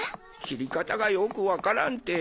切り方がよくわからんて。